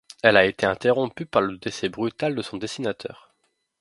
Elle a été interrompue par le décès brutal de son dessinateur.